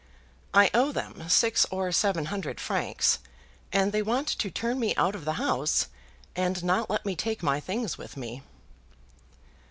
I owe them six or seven hundred francs, and they want to turn me out of the house and not let me take my things with me."